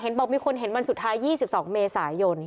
บอกมีคนเห็นวันสุดท้าย๒๒เมษายน